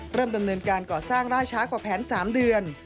เริ่มดำเนินการก่อสร้างร่าช้ากว่าแผน๓เดือน